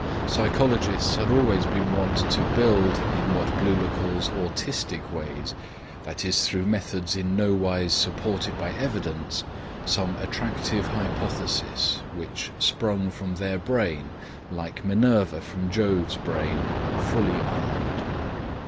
Psychologists had always been wont to build, in what Bleuler calls "autistic ways," that is through methods in no wise supported by evidence, some attractive hypothesis, which sprung from their brain, like Minerva from Jove's brain, fully armed.